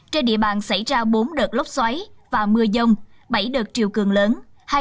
trên địa bàn xảy ra bốn đợt lốc xoáy và mưa dông bảy đợt triều cường lớn